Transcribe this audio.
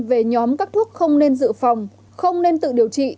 về nhóm các thuốc không nên dự phòng không nên tự điều trị